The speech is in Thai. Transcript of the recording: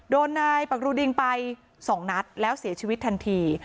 โดนนายปักรูดิงไป๒นัดแล้วเสียชีวิตทันที